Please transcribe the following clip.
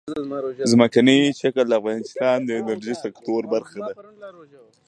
ځمکنی شکل د افغانستان د انرژۍ سکتور برخه ده.